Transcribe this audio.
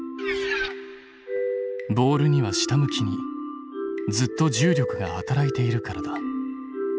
ボールには下向きにずっと重力が働いているからだ。